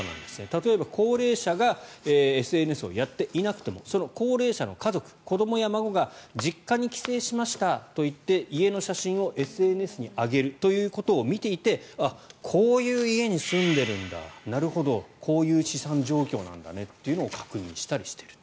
例えば高齢者がＳＮＳをやっていなくてもその高齢者の家族、子どもや孫が実家に帰省しましたといって家の写真をＳＮＳに上げるということを見ていてあっ、こういう家に住んでいるんだ、なるほどこういう資産状況なんだねというのを確認したりしている。